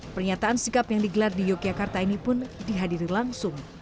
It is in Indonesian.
pernyataan sikap yang digelar di yogyakarta ini pun dihadiri langsung